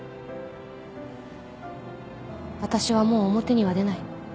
私はもう表には出ない。